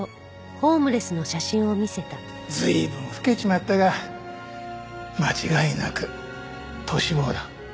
随分老けちまったが間違いなくトシ坊だ。